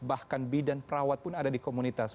bahkan bidan perawat pun ada di komunitas